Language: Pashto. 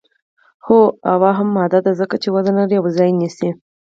هو هوا هم ماده ده ځکه چې وزن لري او ځای نیسي.